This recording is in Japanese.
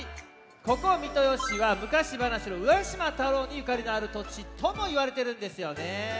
ここ三豊市はむかしばなしの「浦島太郎」にゆかりのあるとちともいわれてるんですよね。